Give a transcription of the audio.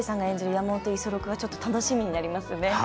山本五十六がちょっと楽しみになりますね。